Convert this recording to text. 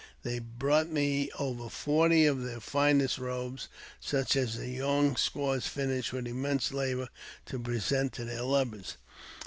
They brought me over forty of their finest robes, such as the young squaws finish with immense labour to present to their lovers.